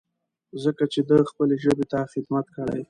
ځکه چې ده خپلې ژبې ته خدمت کړی.